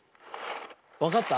わかった？